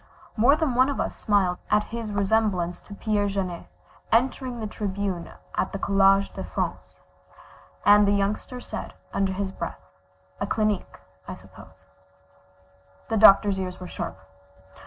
More than one of us smiled at his resemblance to Pierre Janet entering the tribune at the Collège de France, and the Youngster said, under his breath, "A Clinique, I suppose." The Doctor's ears were sharp.